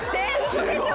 嘘でしょ！